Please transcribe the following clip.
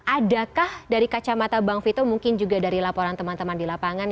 adakah dari kacamata bang vito mungkin juga dari laporan teman teman di lapangan